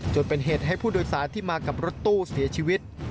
จนเป็นเหตุให้ผู้โดยสารที่มากับรถตู้เสียชีวิต